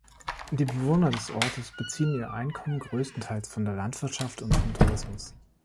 Die Bewohner des Ortes beziehen ihr Einkommen größtenteils von der Landwirtschaft und vom Tourismus.